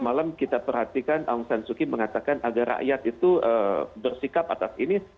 malam kita perhatikan aung san suu kyi mengatakan agar rakyat itu bersikap atas ini